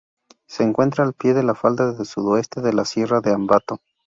Se encuentra al pie de la falda sudoeste de la Sierra de Ambato.